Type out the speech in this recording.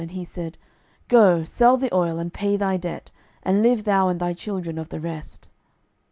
And he said, Go, sell the oil, and pay thy debt, and live thou and thy children of the rest.